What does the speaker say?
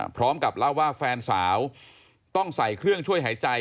พร้อมกับเล่าว่าแฟนสาวต้องใส่เครื่องช่วยหายใจ